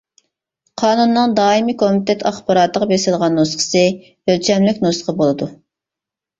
قانۇننىڭ دائىمىي كومىتېت ئاخباراتىغا بېسىلغان نۇسخىسى ئۆلچەملىك نۇسخا بولىدۇ.